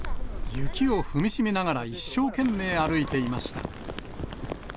雪を踏み締めながら、一生懸命歩いていました。